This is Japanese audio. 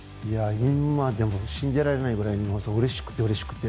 今でも信じられないぐらいうれしくて、うれしくて。